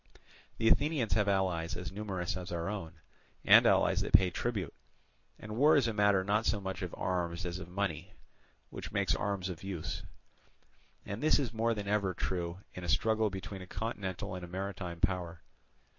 The Athenians have allies as numerous as our own, and allies that pay tribute, and war is a matter not so much of arms as of money, which makes arms of use. And this is more than ever true in a struggle between a continental and a maritime power.